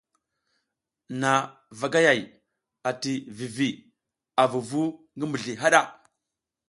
Nha vagayay ati vivi a vuvu ngi mizli haɗa.